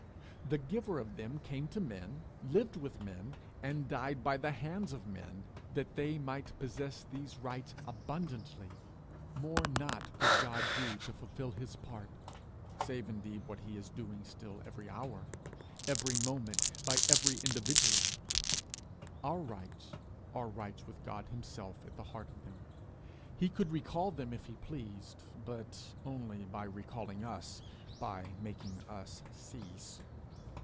The giver of them came to men, lived with men, and died by the hands of men, that they might possess these rights abundantly: more not God could do to fulfil his part save indeed what he is doing still every hour, every moment, for every individual. Our rights are rights with God himself at the heart of them. He could recall them if he pleased, but only by recalling us, by making us cease.